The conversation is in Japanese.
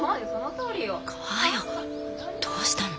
かよどうしたの？